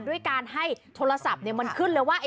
ด้วยการให้โทรศัพท์มันขึ้นเลยว่า